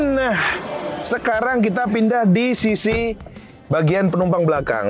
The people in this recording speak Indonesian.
nah sekarang kita pindah di sisi bagian penumpang belakang